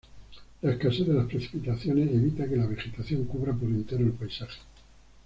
La escasez de las precipitaciones evita que la vegetación cubra por entero el paisaje.